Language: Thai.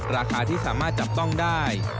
ราคาที่สามารถจับต้องได้